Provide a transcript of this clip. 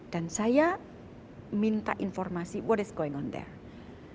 dan saya minta informasi apa yang terjadi di sana